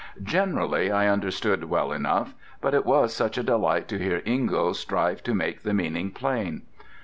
Generally I understood well enough, but it was such a delight to hear Ingo strive to make the meaning plain.